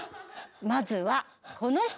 まずはこの人。